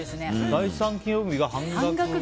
第３金曜日が半額。